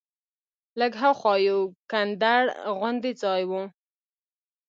لږ ها خوا یو کنډر غوندې ځای و.